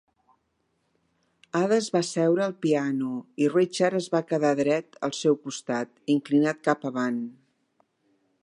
Ada es va asseure al piano, i Richard es va quedar dret al seu costat, inclinat cap avant.